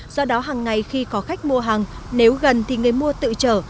do đó hàng ngày khi có khách mua hàng nếu gần thì người mua tự chở